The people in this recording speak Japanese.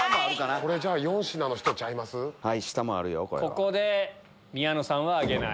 ここで宮野さんは挙げない。